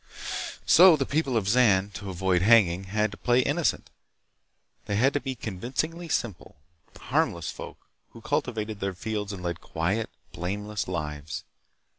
So the people of Zan, to avoid hanging, had to play innocent. They had to be convincingly simple, harmless folk who cultivated their fields and led quiet, blameless lives.